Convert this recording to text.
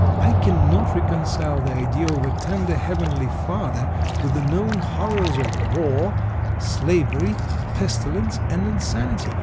I cannot reconcile the idea of a tender Heavenly Father with the known horrors of war, slavery, pestilence, and insanity.